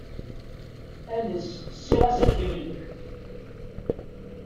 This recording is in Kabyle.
Ales ssiɣ aselkim-nnek.